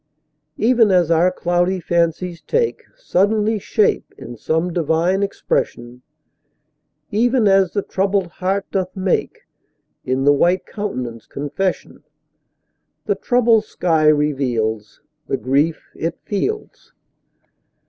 Even as our cloudy fancies take Suddenly shape in some divine expression, Even as the troubled heart doth make In the white countenance confession, The troubled sky reveals The grief it feels.